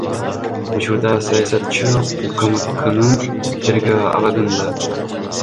Учурда саясатчы УКМКнын тергөө абагында.